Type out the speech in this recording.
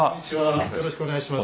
よろしくお願いします。